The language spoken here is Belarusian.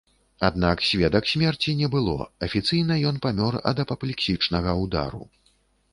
Аднак, сведак смерці не было, афіцыйна ён памёр ад апаплексічнага ўдару.